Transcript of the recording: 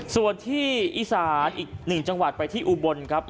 ส่วนที่อีสานอีกหนึ่งจังหวัดไปที่อุบลครับ